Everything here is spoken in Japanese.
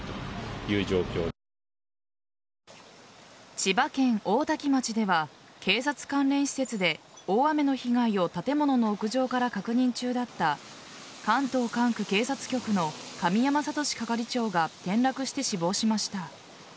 千葉県大多喜町では警察関連施設で大雨の被害を建物の屋上から確認中だった関東管区警察局の神山智志係長が転落して死亡しました。